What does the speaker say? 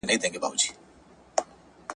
پوهان د اخلاقو بحث هم کوي.